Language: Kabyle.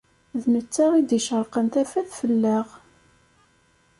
D netta i d-icerqen tafat fell-aɣ.